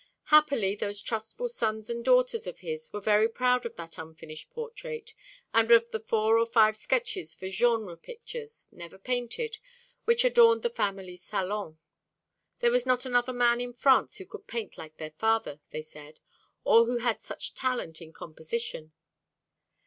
Happily, those trustful sons and daughters of his were very proud of that unfinished portrait, and of the four or five sketches for genre pictures, never painted, which adorned the family salon. There was not another man in France who could paint like their father, they said, or who had such talent in composition.